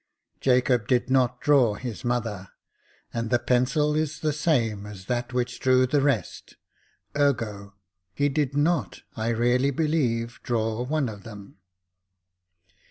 Jacob did not draw his mother ; and the pencil is the same as that which drew the rest — ergo, he did not, I really believe, draw one of them.